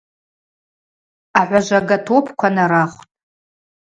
Агӏважвага топква нарахвтӏ.